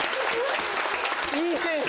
いい選手！